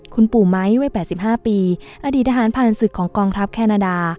คุณปู่ไม้วัย๘๕ปีอดีตทหารผ่านศึกของกองทัพแคนาดา